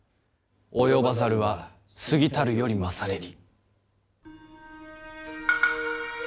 及ばざるは過ぎたるよりまされり」。